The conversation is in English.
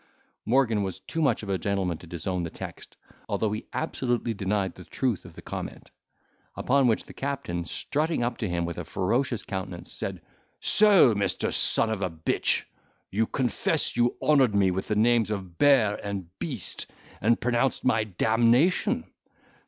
Morgan was too much of a gentleman to disown the text, although he absolutely denied the truth of the comment. Upon which the captain, strutting up to him with a ferocious countenance, said, "So Mr. son of a bitch, you confess you honoured me with the names of bear and beast, and pronounced my damnation?